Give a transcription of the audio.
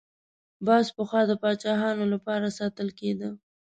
باز پخوا د پاچایانو لپاره ساتل کېده